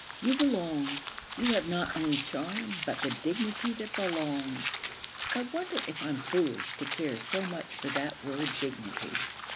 You belong. You have not only charm but the dignity that belongs. I wonder if I'm foolish to care so much for that word dignity.